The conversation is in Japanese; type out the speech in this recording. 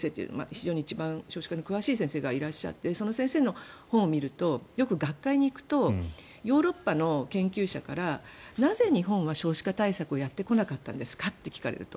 非常に一番少子化に詳しい先生がいらっしゃってその先生の本を見るとよく学会に行くとヨーロッパの研究者からなぜ日本は少子化対策をやってこなかったんですか？と聞かれると。